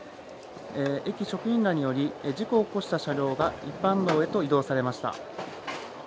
駅職員らにより、事故を起こした車両が、一般道へと移動されました。